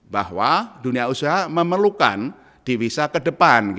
bahwa dunia usaha memerlukan devisa ke depan